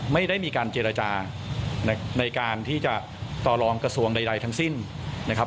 ไม่ได้มีการเจรจาในการที่จะต่อรองกระทรวงใดทั้งสิ้นนะครับ